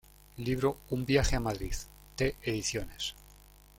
Libro Un Viaje a Madrid, T Ediciones.